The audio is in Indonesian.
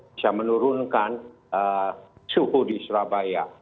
bisa menurunkan suhu di surabaya